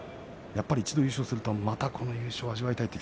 やっぱり一度優勝をするとまた優勝を味わいたいと。